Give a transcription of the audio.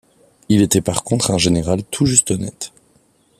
Il était par contre un général tout juste honnête.